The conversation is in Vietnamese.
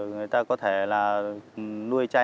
người ta có thể nuôi chai